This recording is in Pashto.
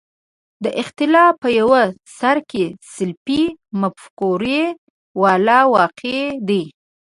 د اختلاف په یو سر کې سلفي مفکورې والا واقع دي.